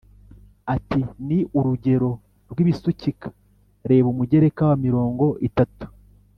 Bati ni urugero rw ibisukika Reba Umugereka wa mirongo itatu